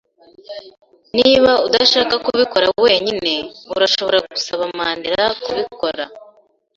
Niba udashaka kubikora wenyine, urashobora gusaba Mandera kubikora.